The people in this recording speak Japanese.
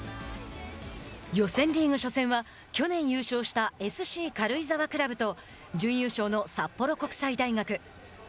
予選リーグ初戦は去年優勝したＳＣ軽井沢クラブと準優勝の札幌国際大学。